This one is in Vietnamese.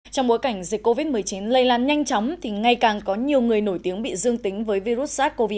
trong bối cảnh dịch covid một mươi chín lây lan nhanh chóng thì ngay càng có nhiều người nổi tiếng bị dương tính với virus sars cov hai